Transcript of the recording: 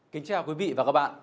kính chào quý vị và các bạn